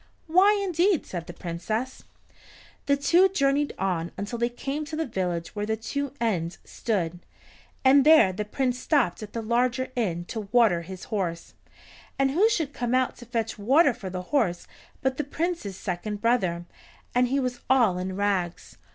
"Why indeed?" said the Princess. The two journeyed on until they came to the village where the two inns stood, and there the Prince stopped at the larger inn to water his horse, and who should come out to fetch water for the horse but the Prince's second brother, and he was all in rags.